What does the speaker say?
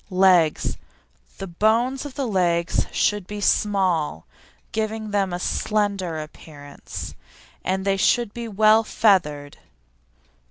LEGS The bones of the legs should be small, giving them a slender appearance, and they should be well feathered.